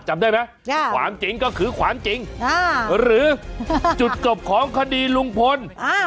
จำได้ไหมความจริงก็คือความจริงหรือจุดจบของคดีลุงพล